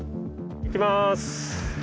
いきます。